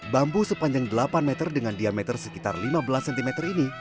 bambu sepanjang delapan meter dengan diameter sekitar lima belas cm ini